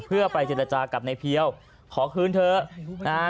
เพื่อไปเจรจากับนายเพียวขอคืนเถอะนะฮะ